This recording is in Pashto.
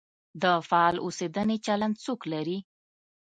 د فعال اوسېدنې چلند څوک لري؟